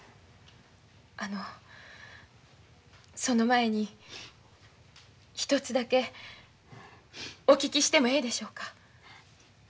あのその前に一つだけお聞きしてもええでしょうか。